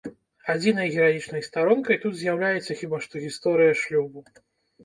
Адзінай гераічнай старонкай тут з'яўляецца хіба што гісторыя шлюбу.